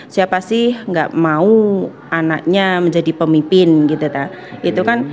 siapa sih nggak mau anaknya menjadi pemimpin gitu kan